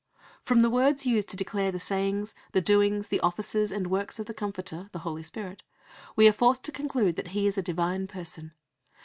From the words used to declare the sayings, the doings, the offices and works of the Comforter, the Holy Spirit, we are forced to conclude that He is a Divine Person.